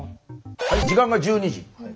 はい時間が１２時。